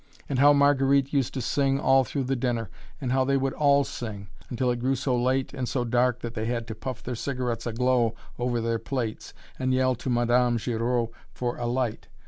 And how Marguerite used to sing all through dinner and how they would all sing, until it grew so late and so dark that they had to puff their cigarettes aglow over their plates, and yell to Madame Giraud for a light!